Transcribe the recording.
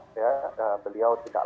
beliau tidak lain